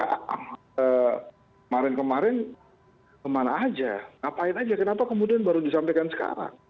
kemarin kemarin kemana aja ngapain aja kenapa kemudian baru disampaikan sekarang